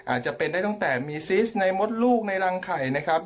อาจจะเป็นได้ตั้งแต่มีซิสในมดลูกในรังไข่นะครับ